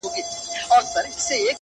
په ياد کي ساته د حساب او د کتاب وخت ته’